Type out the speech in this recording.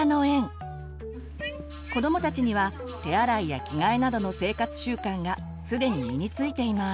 子どもたちには手洗いや着替えなどの生活習慣がすでに身についています。